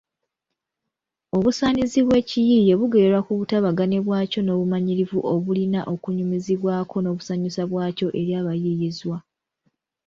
Obusaanizi bw’ekiyiiye bugererwa ku butabagane bwakyo n’obumanyirivu obulina okunyumizibwa ko n’obusanyusa bwakyo eri abayiiyizwa.